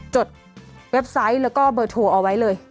จดเว็บไซต์แล้วก็เบอร์โทรเอาไว้เลย